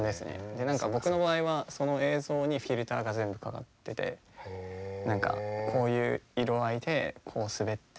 で何か僕の場合はその映像にフィルターが全部かかってて何かこういう色合いでこう滑ってるみたいな。